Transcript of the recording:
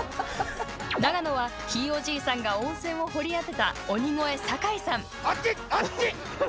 長野は、ひいおじいさんが温泉を掘り当てた鬼越・坂井さん。